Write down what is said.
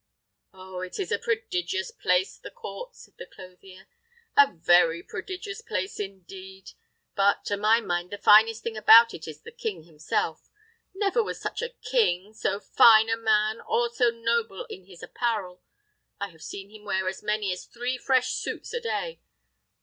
"Oh! it is a prodigious place, the court!" said the clothier, "a very prodigious place, indeed. But, to my mind, the finest thing about it is the king himself. Never was such a king; so fine a man, or so noble in his apparel! I have seen him wear as many as three fresh suits a day.